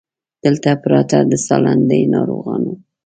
دلته پراته د سالنډۍ ناروغان